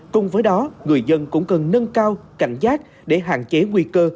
cùng với đó người dân cũng cần nâng cao cảnh giác để hạn chế nguy cơ